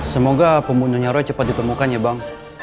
semoga pembunuhnya roy cepat ditemukan ya bang